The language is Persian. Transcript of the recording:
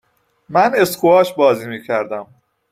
من اسکواش بازی می کردم